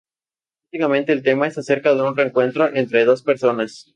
Básicamente el tema es acerca de un reencuentro entre dos personas.